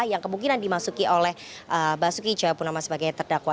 yang kemungkinan dimasuki oleh pak suki cahayapunama sebagai terdakwa